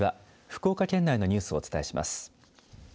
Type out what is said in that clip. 福岡県内のニュースをお伝えします。